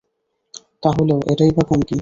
তাহলেও, এটাই বা কম কি।